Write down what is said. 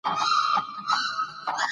د خیاطۍ مرکزونه ښځو ته د کار فرصت ورکوي.